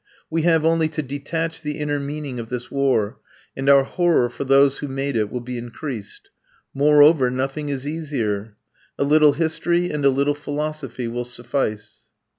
We have only to detach the inner meaning of this war, and our horror for those who made it will be increased. Moreover, nothing is easier. A little history, and a little philosophy, will suffice.